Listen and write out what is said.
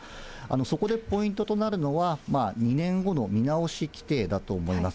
そこでポイントとなるのは、２年後の見直し規定だと思います。